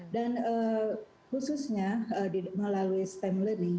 dan khususnya melalui stem learning